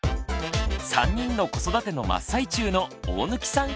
３人の子育ての真っ最中の大貫さん